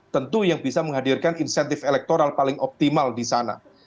tentu yang bisa menghadirkan insentif elektoral paling optimal di sana